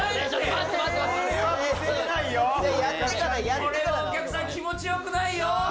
これはお客さん気持ちよくないよ